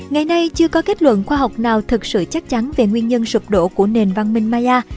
ngày nay chưa có kết luận khoa học nào thật sự chắc chắn về nguyên nhân sụp đổ của nền văn minh maya